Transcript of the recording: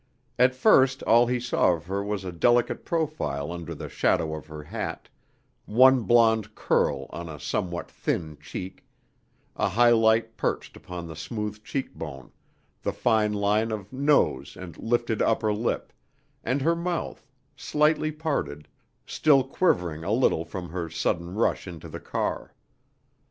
At first all he saw of her was a delicate profile under the shadow of her hat, one blonde curl on a somewhat thin cheek, a highlight perched upon the smooth cheekbone, the fine line of nose and lifted upper lip, and her mouth, slightly parted, still quivering a little from her sudden rush into the car.